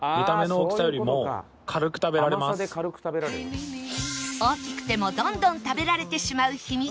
大きくてもどんどん食べられてしまう秘密は